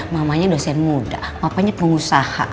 mamanya dosen muda papanya pengusaha